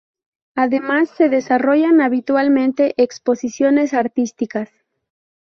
Además se desarrollan habitualmente exposiciones artísticas.